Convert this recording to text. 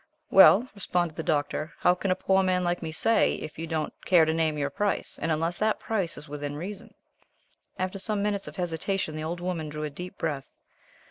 "Well," responded the Doctor, "how can a poor man like me say, if you don't care to name your price, and unless that price is within reason?" After some minutes of hesitation the old woman drew a deep breath.